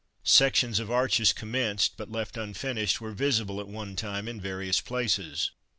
Sections of arches commenced, but left unfinished, were visible at one time in various places.